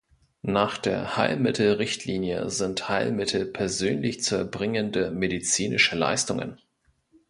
Nach der Heilmittel-Richtlinie sind Heilmittel persönlich zu erbringende medizinische Leistungen.